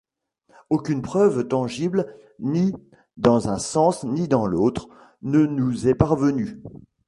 Aucune preuve tangible ni dans un sens ni dans l'autre ne nous est parvenue.